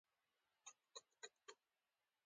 دا ډول جوړښت د نړیوالې ټولنې له لوري تایید ونه ګرځي.